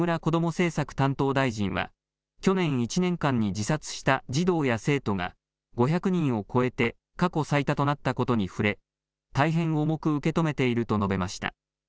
政策担当大臣は、去年１年間に自殺した児童や生徒が５００人を超えて過去最多となったことに触れ、大変重く受け止めていると述べました。